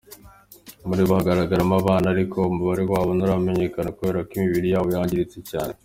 Muri bo hagaragaramo abana ariko umubare wabo nturamenyekana kubera ko imibiri yabo yangiritse cyane.